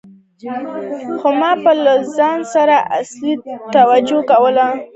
خو ما به له ځان سره اصلي تومانچه ګرځوله چې ډېره سخته وه.